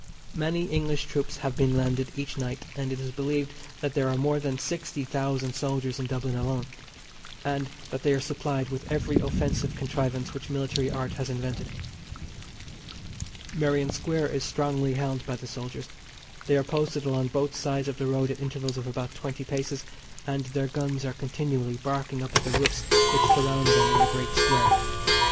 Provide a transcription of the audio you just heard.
Many English troops have been landed each night, and it is believed that there are more than sixty thousand soldiers in Dublin alone, and that they are supplied with every offensive contrivance which military art has invented. Merrion Square is strongly held by the soldiers. They are posted along both sides of the road at intervals of about twenty paces, and their guns are continually barking up at the roofs which surround them in the great square.